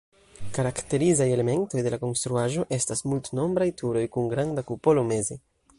Karakterizaj elementoj de la konstruaĵo estas multnombraj turoj kun granda kupolo meze.